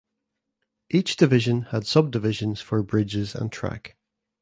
Each division had subdivisions for bridges and track.